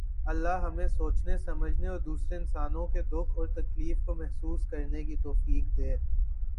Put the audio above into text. اللہ ہمیں سوچنے سمجھنے اور دوسرے انسانوں کے دکھ اور تکلیف کو محسوس کرنے کی توفیق دے